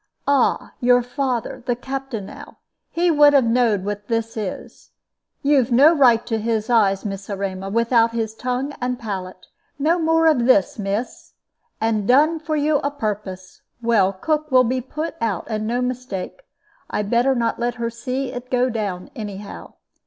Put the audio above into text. "Ah, your father, the Captain, now, he would have knowed what this is! You've no right to his eyes, Miss Erma, without his tongue and palate. No more of this, miss! and done for you a purpose! Well, cook will be put out, and no mistake! I better not let her see it go down, anyhow."